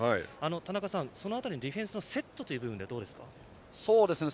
田中さんその辺りのディフェンスのセットという部分でどうですか？